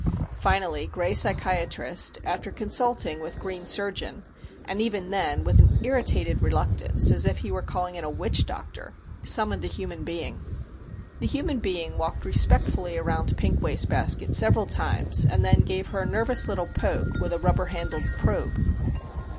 Finally Gray Psychiatrist after consulting with Green Surgeon, and even then with an irritated reluctance, as if he were calling in a witch doctor summoned a human being. The human being walked respectfully around Pink Wastebasket several times and then gave her a nervous little poke with a rubber handled probe.